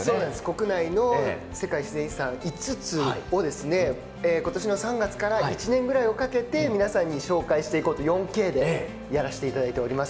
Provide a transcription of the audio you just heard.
国内の世界自然遺産５つを今年の３月から１年くらいかけて皆さんに紹介していこうと４Ｋでやらせていただいております。